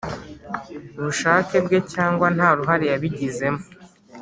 bushake bwe cyangwa nta ruhare yabigizemo